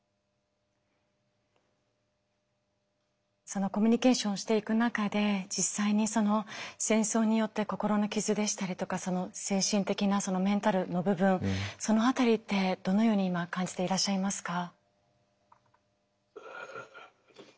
そのコミュニケーションをしていく中で実際に戦争によって心の傷でしたりとか精神的なメンタルの部分その辺りってどのように今感じていらっしゃいますか？